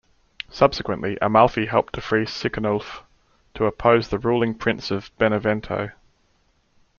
Subsequently, Amalfi helped to free Siconulf to oppose the ruling Prince of Benevento.